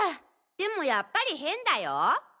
でもやっぱり変だよ？